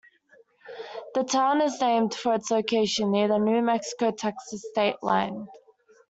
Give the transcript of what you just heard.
The town is named for its location near the New Mexico-Texas state line.